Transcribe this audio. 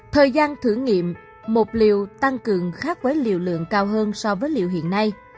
thời gian thử nghiệm một liệu tăng cường khác với liệu lượng cao hơn so với liệu hiện nay